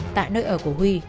đã nơi ở của huy